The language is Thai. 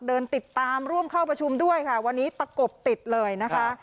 เดินติดตามร่วมเข้าประชุมด้วยค่ะวันนี้ตะกบติดเลยนะคะ